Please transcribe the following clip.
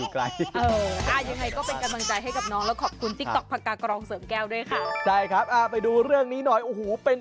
ฟังฟังพ่อที่นี้เมื่อวานพ่อจ้างเหนือย่าง